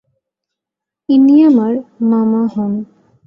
ইনি আমার মামা হন।